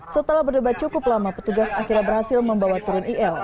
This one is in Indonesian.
setelah berdebat cukup lama petugas akhirnya berhasil membawa turun il